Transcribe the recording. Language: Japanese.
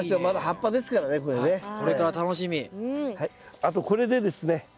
あとこれでですね